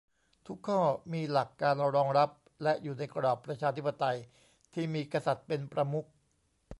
ทุกข้อมีหลักการรองรับและอยู่ในกรอบประชาธิปไตยที่มีกษัตริย์เป็นประมุข